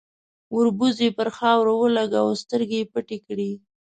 ، وربوز يې پر خاورو ولګاوه، سترګې يې پټې کړې.